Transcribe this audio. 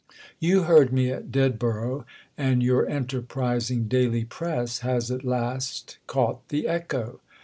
You heard me at Ded borough, and your enterprising daily press has at last caught the echo."